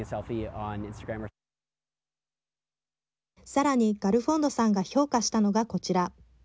さらに、ガルフォンドさんが評価したのがこちら。